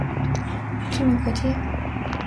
近郊所产的高丽人参驰名国际。